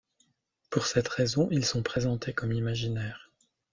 Pour cette raison, ils sont présentés comme imaginaires.